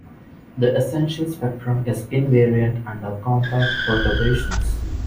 The essential spectrum is invariant under compact perturbations.